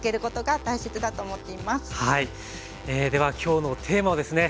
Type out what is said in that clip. では今日のテーマをですね